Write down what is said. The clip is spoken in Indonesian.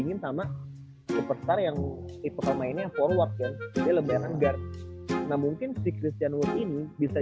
main sama superstar yang itu mainnya forward ya lebih ranger nah mungkin si christian wood ini bisa